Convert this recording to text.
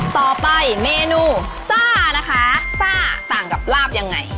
เมนูซ่านะคะซ่าต่างกับลาบยังไง